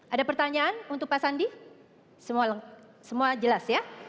ada pertanyaan untuk pak sandi semua jelas ya